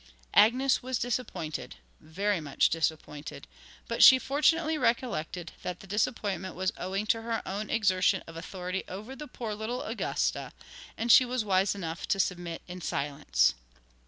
Agnes was disappointed very much disappointed; but she fortunately recollected that the disappointment was owing to her own exertion of authority over the poor little Augusta, and she was wise enough to submit in silence.